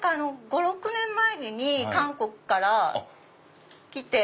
５６年前に韓国から来て。